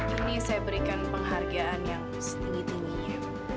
kini saya berikan penghargaan yang setinggi tingginya